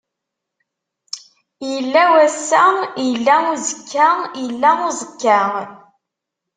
Illa wass-a, illa uzekka, illa uẓekka.